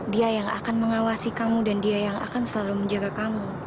dia yang akan mengawasi kamu dan dia yang akan selalu menjaga kamu